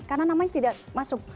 karena namanya tidak masuk